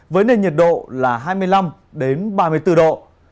với nền nhiệt độ là hai mươi năm ba mươi bốn độ